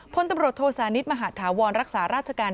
พลตำรวจโทสานิทมหาธาวรรักษาราชการ